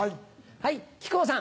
はい木久扇さん。